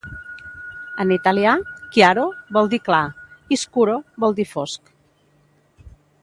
En italià, "chiaro" vol dir clar i "scuro" vol dir fosc.